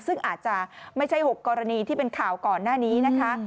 ซึ่งอาจจะไม่ใช่๖กรณีที่เป็นข่าวก่อนหน้านี้นะคะ